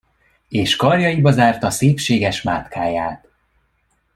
És karjaiba zárta szépséges mátkáját.